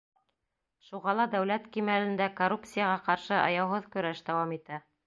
Шуға ла дәүләт кимәлендә коррупцияға ҡаршы аяуһыҙ көрәш дауам итә.